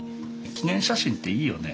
記念写真っていいよね